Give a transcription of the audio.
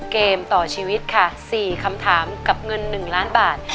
เกมต่อชีวิตค่ะ๔คำถามกับเงิน๑ล้านบาท